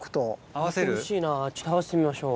会わせてみましょう。